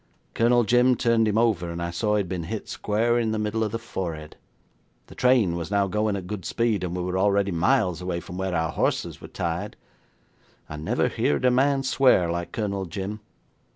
Colonel Jim turned him over, and I saw he had been hit square in the middle of the forehead. The train was now going at good speed, and we were already miles away from where our horses were tied. I never heard a man swear like Colonel Jim.